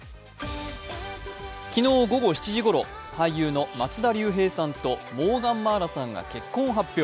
昨日午後７時ごろ、俳優の松田龍平さんとモーガン茉愛羅さんが結婚を発表。